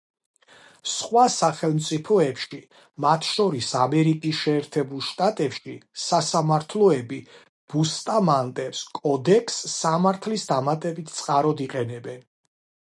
სხვა სახელმწიფოებში, მათ შორის, ამერიკის შეერთებულ შტატებში, სასამართლოები ბუსტამანტეს კოდექსს სამართლის დამატებით წყაროდ იყენებენ.